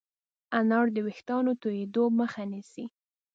انار د ويښتانو تویدو مخه نیسي.